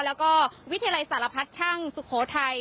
แล้วก็วิทยาลัยสารพัดช่างสุโขทัย